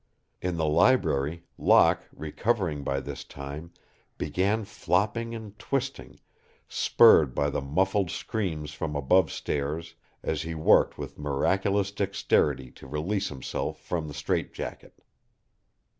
In the library, Locke, recovering by this time, began flopping and twisting, spurred by the muffled screams from above stairs as he worked with miraculous dexterity to release himself from the strait jacket.